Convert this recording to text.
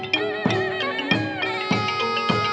ตี